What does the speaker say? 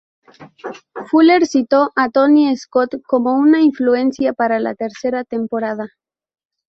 Fuller citó a Tony Scott como una influencia para la tercera temporada.